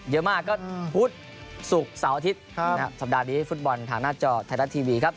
เยอะมากก็พุธศุกร์เสาร์อาทิตย์สัปดาห์นี้ฟุตบอลทางหน้าจอไทยรัฐทีวีครับ